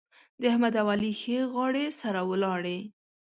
د احمد او علي ښې غاړې سره ولاړې.